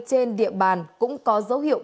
trên địa bàn cũng có dấu hiệu